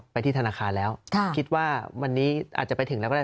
ไปที่ธนาคารแล้วคิดว่าวันนี้อาจจะไปถึงแล้วก็ได้